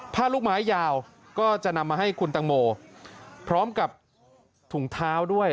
ผ้าลูกไม้ยาวก็จะนำมาให้คุณตังโมพร้อมกับถุงเท้าด้วย